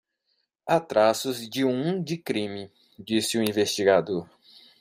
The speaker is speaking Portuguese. Há traços de um de crime, disse o investigador.